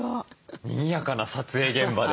にぎやかな撮影現場で。